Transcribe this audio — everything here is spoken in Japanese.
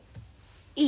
いい。